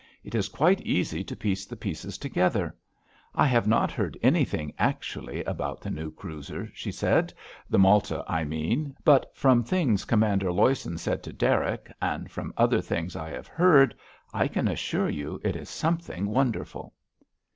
It is quite easy to piece the bits together. I have not heard anything actually about the new cruiser," she said, "the Malta, I mean, but from things Commander Loyson said to Derrick, and from other things I have heard, I can assure you it is something wonderful."